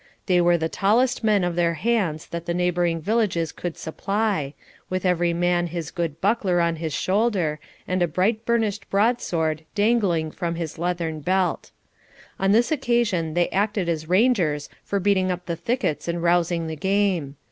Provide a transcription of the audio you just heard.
They were the tallest men of their hands that the neighbouring villages could supply, with every man his good buckler on his shoulder, and a bright burnished broadsword dangling from his leathern belt. On this occasion they acted as rangers for beating up the thickets and rousing the game.